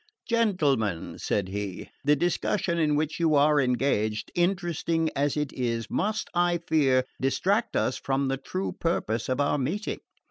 "Gentlemen," said he, "the discussion in which you are engaged, interesting as it is, must, I fear, distract us from the true purpose of our meeting.